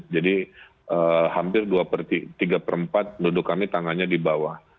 hampir tiga per empat duduk kami tangannya di bawah